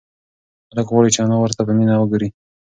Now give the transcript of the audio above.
هلک غواړي چې انا ورته په مینه وگوري.